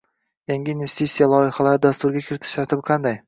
yangi investitsiya loyihalarni dasturga kiritish tartibi qanday?